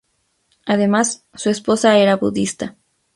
Además, su esposa era budista.